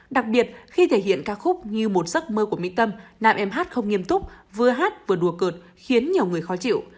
đặc biệt khi thể hiện ca khúc như một giấc mơ của mỹ tâm nam em hát không nghiêm túc vừa hát vừa đùa cợt khiến nhiều người khó chịu